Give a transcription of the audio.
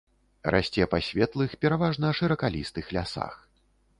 Расце па светлых, пераважна шыракалістых лясах.